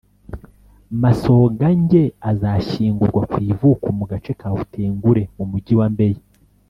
Masogange azashyingurwa ku ivuko mu gace ka Utengule mu Mujyi wa Mbeya